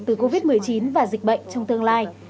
từ covid một mươi chín và dịch bệnh trong tương lai